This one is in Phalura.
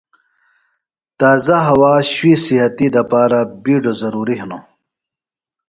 تازہ ہوا شُوئی صِحتی دپارہ بِیڈوۡ ضروری ہِنوۡ۔